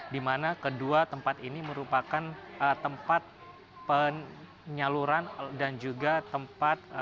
di mana kedua tempat ini merupakan tempat penyaluran dan juga tempat